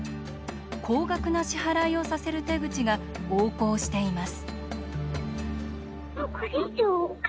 高額な支払いをさせる手口が横行しています。